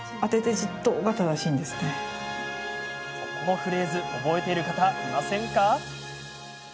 このフレーズ覚えている方いませんか？